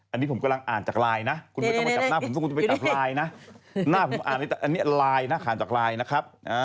อันนี้ผมกำลังอ่านจากลายนะ